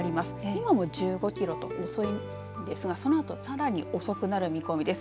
今も１５キロと遅いんですがそのあとさらに遅くなる見込みです。